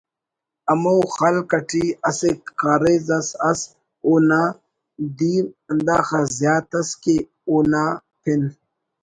ہمو خلق اٹی اسہ کاریز اس ئس اونا دیر ہنداخہ زیات ئس کہ اونا پِن